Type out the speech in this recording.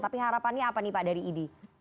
tapi harapannya apa nih pak dari idi